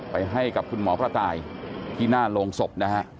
ให้กับคุณหมอกระต่ายที่หน้าโรงศพนะฮะ